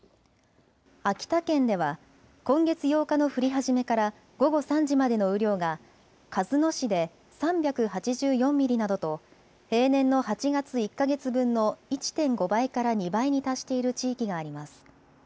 秋田県では今月８日の降り始めから午後３時までの雨量が鹿角市で３８４ミリなどと平年の８月１か月分の１．５倍から２倍に達している地域があります。